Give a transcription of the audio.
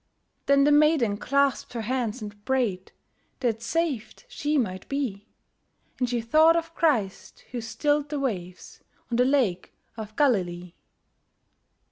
Then the maiden clasped her hands and prayed That savèd she might be; And she thought of Christ, who stilled the waves On the Lake of Galilee.